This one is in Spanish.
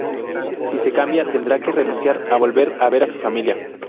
Si se cambia, tendrá que renunciar a volver a ver a su familia.